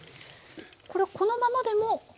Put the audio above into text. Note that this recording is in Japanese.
これこのままでも？